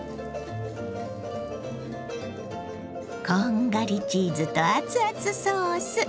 こんがりチーズと熱々ソース。